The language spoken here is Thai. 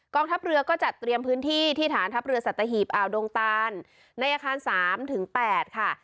ทัพเรือก็จัดเตรียมพื้นที่ที่ฐานทัพเรือสัตหีบอ่าวดงตานในอาคาร๓๘ค่ะ